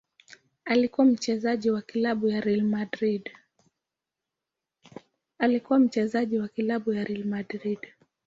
Alikuwa mchezaji wa klabu ya Real Madrid.